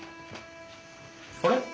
あれ？